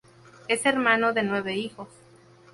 Es hermano de nueve hijos.